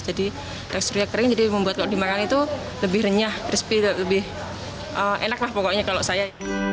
jadi teksturnya kering jadi membuat kalau dimakan itu lebih renyah krispi lebih enak lah pokoknya kalau saya